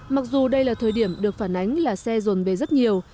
mặc dù đây là thời điểm được phản ánh là xe dồn về rất nhiều